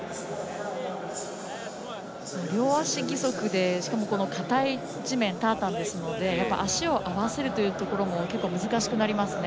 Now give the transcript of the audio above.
両足義足でしかも硬い地面タータンですので足を合わせるというところも結構難しくなりますね。